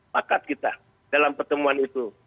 pakat kita dalam pertemuan itu